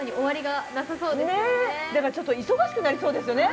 だからちょっと忙しくなりそうですよね